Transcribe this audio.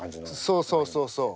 そうそうそうそう。